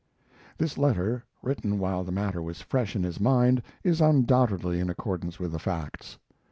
This letter, written while the matter was fresh in his mind, is undoubtedly in accordance with the facts.